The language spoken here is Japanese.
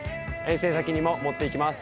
遠征先にも持っていきます。